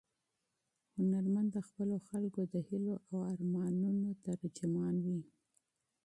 هنرمند د خپلو خلکو د هیلو او ارمانونو ترجمان وي.